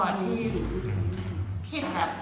แล้วเจอไหม